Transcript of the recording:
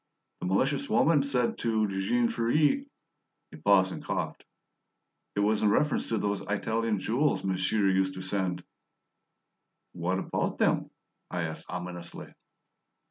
"The malicious woman said to Jean Ferret " He paused and coughed. "It was in reference to those Italian jewels monsieur used to send " "What about them?" I asked ominously.